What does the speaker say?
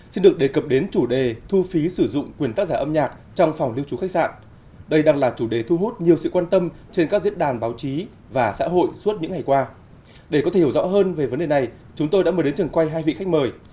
xin cảm ơn hai vị khách mời đã đến với trường quay của chúng tôi ngày hôm nay